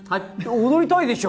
躍りたいでしょ。